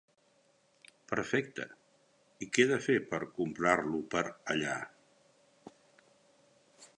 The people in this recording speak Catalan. Perfecte, i què he de fer per comprar-lo per allà?